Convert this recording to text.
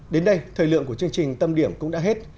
đến đây thời lượng của chương trình tâm điểm cũng đã hết